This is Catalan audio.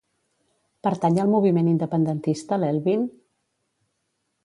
Pertany al moviment independentista l'Elvin?